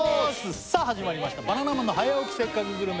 さあ始まりました「バナナマンの早起きせっかくグルメ！！」